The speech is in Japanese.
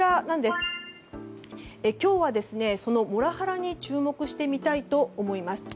今日はそのモラハラに注目してみたいと思います。